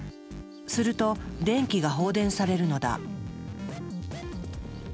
すると電気が放電されるのだ。